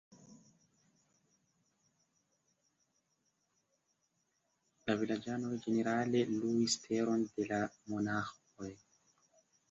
La vilaĝanoj ĝenerale luis teron de la monaĥoj.